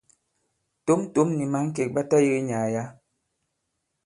Tǒm-tǒm nì̀ mǎŋkèk ɓa tayēge nyàà yǎ.